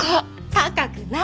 高くない！